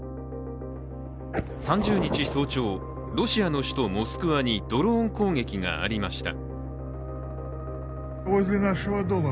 ３０日早朝、ロシアの首都モスクワにドローン攻撃がありました。